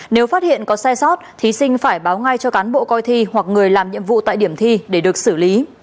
nếu phát hiện có sai sót thí sinh phải báo ngay cho cán bộ coi thi hoặc người làm nhiệm vụ tại điểm thi để được xử lý